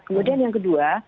kemudian yang kedua